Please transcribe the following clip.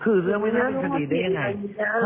คือเรื่องไม่น่าเป็นคดีได้ยังไง